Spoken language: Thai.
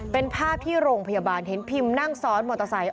เป็นภาพที่โรงพยาบาลเห็นพิมนั่งซ้อนมอเตอร์ไซค์